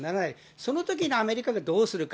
そのときにアメリカがどうするか。